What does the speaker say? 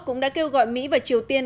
cũng đã kêu gọi mỹ và triều tiên